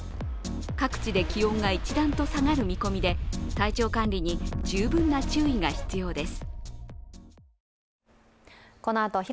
各地で気温が一段と下がる見込みで体調管理に十分な注意が必要です。